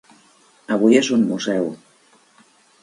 Avui és un museu.